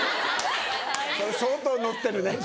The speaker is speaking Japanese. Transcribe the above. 相当ノッてるね。